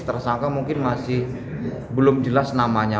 tersangka mungkin masih belum jelas namanya